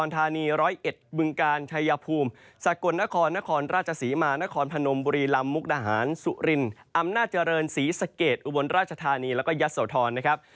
ทั้งภาคเลยนะครับ